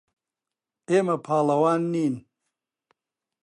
ئێمە پاڵەوان نین.